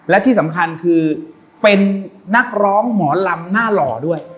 และที่สำคัญคือเป็นนักร้องหมอลำหน้าหล่อด้วย